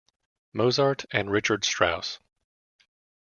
Mozart and Richard Strauss.